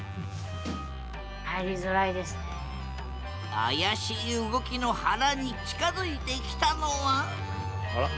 怪しい動きのはらに近づいてきたのはあら？